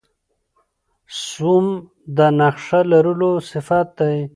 سوم د نخښهلرلو صفت دئ.